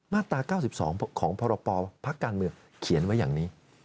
มาตรา๙๒ของพรปภักดิ์การเมืองเขียนไว้อย่างนี้